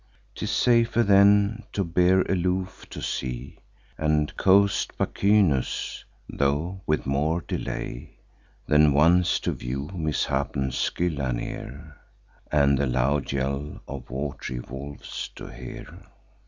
'Tis safer, then, to bear aloof to sea, And coast Pachynus, tho' with more delay, Than once to view misshapen Scylla near, And the loud yell of wat'ry wolves to hear.